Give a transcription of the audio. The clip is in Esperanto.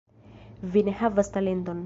Vi ne havas talenton!